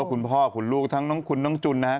หลักคุณพ่อคุณลูกทั้งคุณน้องจุนนะครับ